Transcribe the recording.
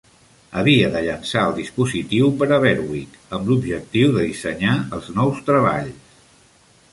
Havia de "llançar el dispositiu per a Berwick" amb l'objectiu de dissenyar els nous treballs.